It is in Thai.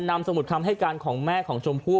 สมุดคำให้การของแม่ของชมพู่